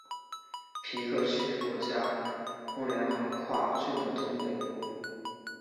皮克区国家公园横跨郡的东北部。